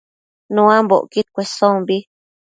Nuambocquid cuesombi